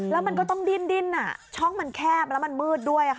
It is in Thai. แล้วมันก็ต้องดิ้นช่องมันแคบแล้วมันมืดด้วย